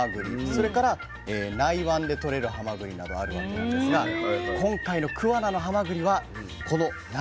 それから内湾でとれるハマグリなどあるわけなんですが今回の桑名のハマグリはこの内湾性のハマグリ。